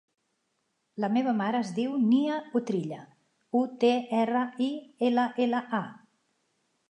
La meva mare es diu Nia Utrilla: u, te, erra, i, ela, ela, a.